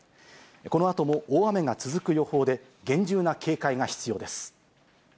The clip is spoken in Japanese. このあとも大雨が続く予報で、厳重な警戒が必要です。